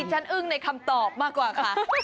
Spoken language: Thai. ฉันอึ้งในคำตอบมากกว่าค่ะ